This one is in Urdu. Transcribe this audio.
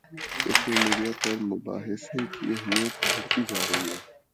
سوشل میڈیا پر مباحثے کی اہمیت بڑھتی جا رہی ہے۔